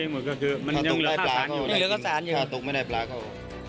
มีเหลือสายแจ่งยังเยอะใจนะครับห้สานอยู่